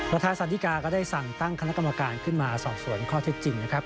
ประธานสันติกาก็ได้สั่งตั้งคณะกรรมการขึ้นมาสอบสวนข้อเท็จจริงนะครับ